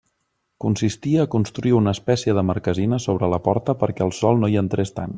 Consistia a construir una espècie de marquesina sobre la porta perquè el sol no hi entrés tant.